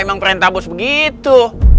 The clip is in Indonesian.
emang perintah bos begitu